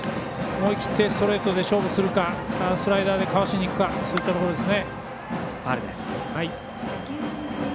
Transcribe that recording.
思い切ってストレートで勝負するかスライダーでかわしにいくかですね。